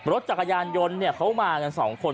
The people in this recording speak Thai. รถจักรยานยนต์เขามากัน๒คน